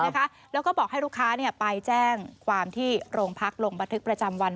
แล้วก็บอกให้ลูกค้าไปแจ้งความที่โรงพักลงบันทึกประจำวัน